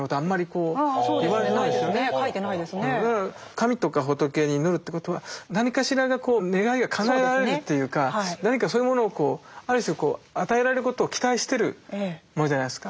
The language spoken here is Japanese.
神とか仏に祈るってことは何かしらがこう願いがかなえられるっていうか何かそういうものをある種与えられることを期待してるものじゃないですか。